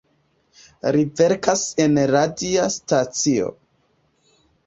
Li verkas en radia stacio.